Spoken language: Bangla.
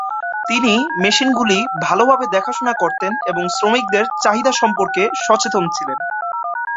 তিনি মেশিনগুলি ভালভাবে দেখাশোনা করতেন এবং শ্রমিকদের চাহিদা সম্পর্কে সচেতন ছিলেন।